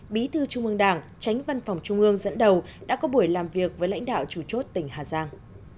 bí thư trung ương đảng tránh văn phòng trung ương dẫn đầu đã có buổi làm việc với lãnh đạo chủ chốt tỉnh hà giang